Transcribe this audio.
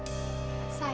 putri pastinya berhenti